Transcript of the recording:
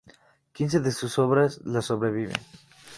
Quince de sus obras la sobreviven.